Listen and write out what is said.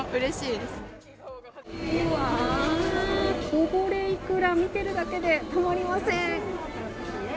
こぼれイクラ見ているだけでたまりません。